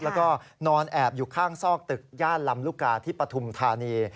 แล้วก็นอนแอบอยู่ข้างซอกตึกย่านลำลูกกาที่ปฐุมธานี